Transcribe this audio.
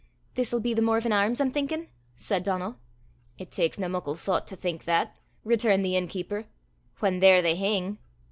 "This'll be the Morven Arms, I'm thinkin'?" said Donal. "It taksna muckle thoucht to think that," returned the inn keeper, "whan there they hing!"